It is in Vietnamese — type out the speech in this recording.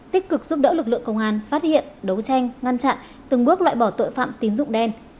tích cực giúp đỡ lực lượng công an phát hiện đấu tranh ngăn chặn từng bước loại bỏ tội phạm tín dụng đen